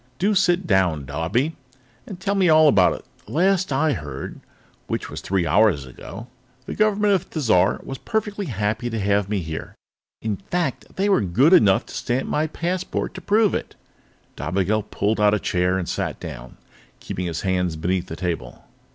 "Do sit down, Dobbie, and tell me all about it. The last I heard which was three hours ago the government of Thizar was perfectly happy to have me here. In fact, they were good enough to stamp my passport to prove it." Dobigel pulled out a chair and sat down, keeping his hands beneath the table.